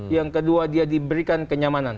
yang kedua dia diberikan kenyamanan